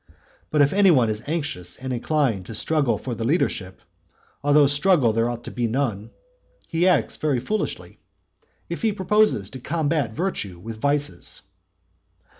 But if any one is anxious and inclined to struggle for the leadership though struggle there ought to be none he acts very foolishly, if he proposes to combat virtue with vices.